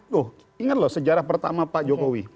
tuh inget lho sejarah pertama pak jokowi